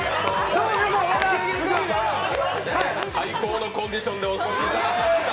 最高のコンディションで来ていただきました。